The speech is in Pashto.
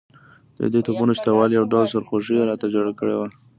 د دې توپونو شته والی یو ډول سرخوږی راته جوړ کړی وو.